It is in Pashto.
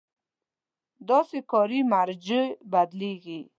داسې کاري مراجعو بدلېږي.